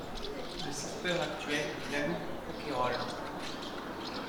Le skipper actuel est Lalou Roucayrol.